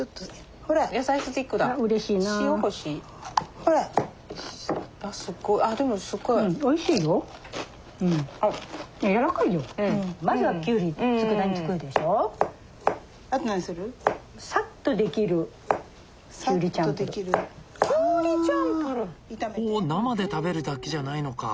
ほう生で食べるだけじゃないのか。